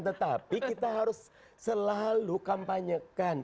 tetapi kita harus selalu kampanyekan